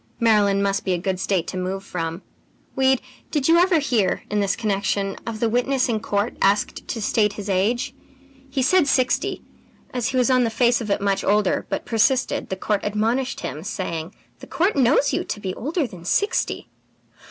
Maryland must be a good State to move from. Weed, did you ever hear, in this connection, of the witness in court asked to state his age? He said sixty. As he was on the face of it much older, but persisted, the court admonished him, saying: "'The court knows you to be older than sixty!'